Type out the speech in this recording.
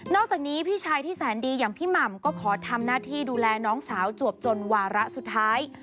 อกจากนี้พี่ชายที่แสนดีอย่างพี่หม่ำก็ขอทำหน้าที่ดูแลน้องสาวจวบจนวาระสุดท้าย